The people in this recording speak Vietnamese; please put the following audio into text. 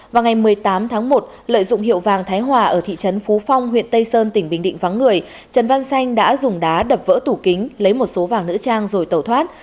vào ngày một mươi tám tháng một lợi dụng hiệu vàng thái hòa ở thị trấn phú phong huyện tây sơn tỉnh bình định vắng người trần văn xanh đã dùng đá đập vỡ tủ kính lấy một số vàng nữ trang rồi tẩu thoát